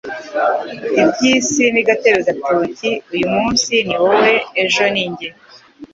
ibyisi ni gatebe gatoki uyumumnsi niwowe ejo ninjye